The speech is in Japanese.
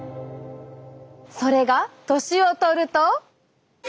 それが年をとると。